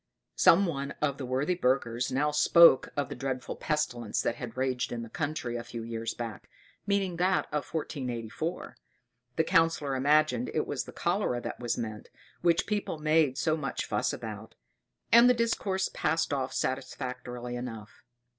Some one of the worthy burghers now spoke of the dreadful pestilence that had raged in the country a few years back, meaning that of 1484. The Councillor imagined it was the cholera that was meant, which people made so much fuss about; and the discourse passed off satisfactorily enough.